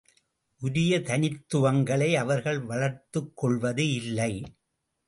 உரிய தனித்துவங்களை அவர்கள் வளர்த்துக்கொள்வது இல்லை.